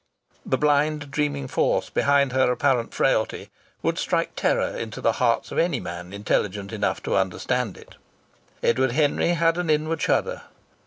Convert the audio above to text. The blind dreaming force behind her apparent frailty would strike terror into the heart of any man intelligent enough to understand it. Edward Henry had an inward shudder.